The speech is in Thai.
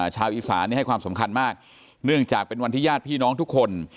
ชาวอีสานให้ความสำคัญมากเนื่องจากเป็นวันที่ญาติพี่น้องทุกคน